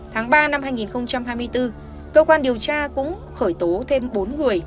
tháng ba năm hai nghìn hai mươi bốn cơ quan điều tra cũng khởi tố thêm bốn người